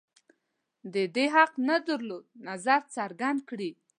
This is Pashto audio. د دې حق نه درلود نظر څرګند کړي